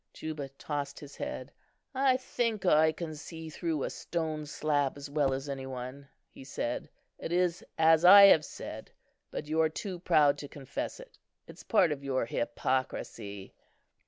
Juba tossed his head. "I think I can see through a stone slab as well as any one," he said. "It is as I have said; but you're too proud to confess it. It's part of your hypocrisy."